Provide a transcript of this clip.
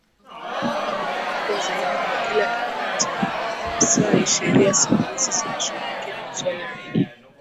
wanaoamua mambo makubwa zaidi kwa kila kikundi cha WamasaiSheria simulizi zinashughulikia masuala mengi